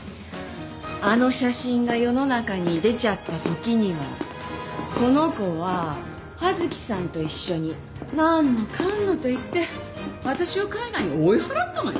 あの写真が世の中に出ちゃったときにもこの子は刃月さんと一緒に何のかんのと言って私を海外に追い払ったのよ。